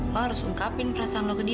lo harus ungkapin perasaan lo ke dia